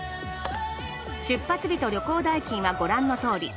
出発日と旅行代金はご覧の通り。